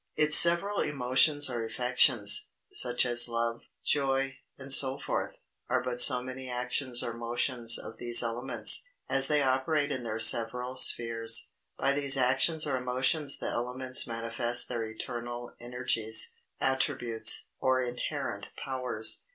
Its several emotions or affections, such as love, joy, &c., are but so many actions or motions of these elements, as they operate in their several spheres. By these actions or emotions the elements manifest their eternal energies, attributes, or inherent powers.